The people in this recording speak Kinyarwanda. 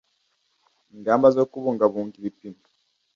ingamba zo gubungabunga ibipimo